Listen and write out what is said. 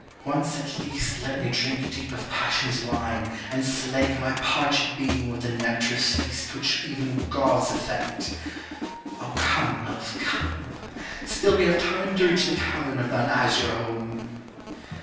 once at least Let me drink deep of passion's wine, and slake My parchgd being with the nectarous feast Which even Gods affect ! O come Love come, Still we have time to reach the cavern of thine azure home."